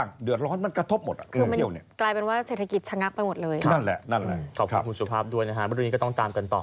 ขอบคุณสุภาพด้วยวันนี้ก็ต้องตามกันต่อ